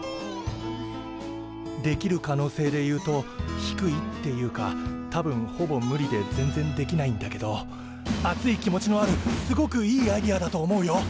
できる可能性で言うと低いっていうか多分ほぼ無理で全然できないんだけど熱い気持ちのあるすごくいいアイデアだと思うよ！